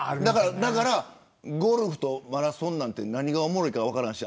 だからゴルフとマラソンなんて何がおもろいか分からないし